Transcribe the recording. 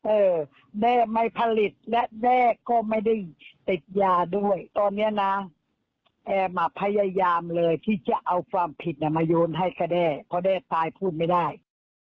เออแด้ไม่ผลิตและแด้ก็ไม่ได้ติดยาด้วยตอนนี้นะแอมอ่ะพยายามเลยที่จะเอาความผิดมาโยนให้กระแด้เพราะแด้ตายพูดไม่ได้